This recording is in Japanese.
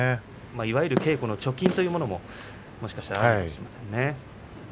いわゆる稽古の貯金というものももしかしたらあるのかもしれません。